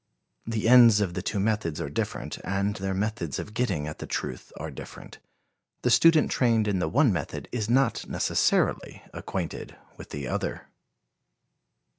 The ends of the two methods are different, and their methods of getting at the truth are different. The student trained in the one method is not necessarily acquainted with the other.